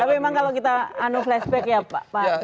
tapi memang kalau kita flashback ya pak